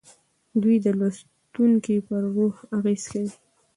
دوی د لوستونکي په روح اغیز کوي.